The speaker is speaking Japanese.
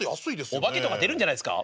お化けとか出るんじゃないですか？